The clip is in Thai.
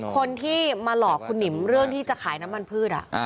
คนที่มาหลอกคุณหนิมเรื่องที่จะขายน้ำมันพืช